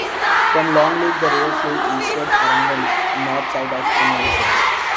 From Long Lake, the river flows eastward around the north side of Imlay City.